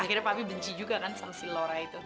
akhirnya papi benci juga kan sama si laura itu